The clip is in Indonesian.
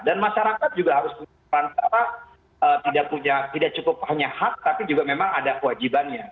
dan masyarakat juga harus punya perantara tidak cukup hanya hak tapi juga memang ada kewajibannya